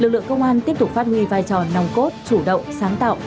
lực lượng công an tiếp tục phát huy vai trò nòng cốt chủ động sáng tạo